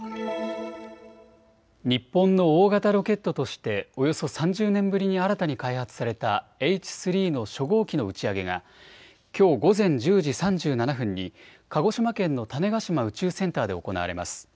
日本の大型ロケットとしておよそ３０年ぶりに新たに開発されたＨ３の初号機の打ち上げがきょう午前１０時３７分に鹿児島県の種子島宇宙センターで行われます。